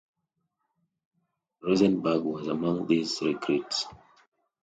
Rosenberg was among these recruits.